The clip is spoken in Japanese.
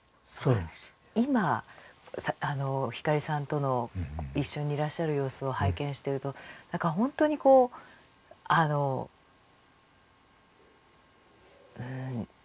今光さんとの一緒にいらっしゃる様子を拝見してると何か本当にこう何でしょうね